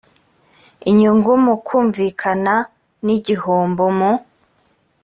inyungu mu kumvikana n igihombo mu